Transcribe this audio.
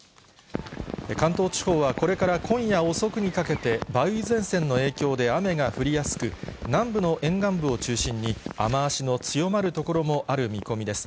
関東地方はこれから今夜遅くにかけて、梅雨前線の影響で雨が降りやすく、南部の沿岸部を中心に、雨足の強まる所もある見込みです。